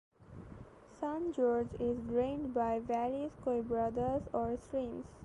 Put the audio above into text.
San Jorge is drained by various "quebradas" or streams.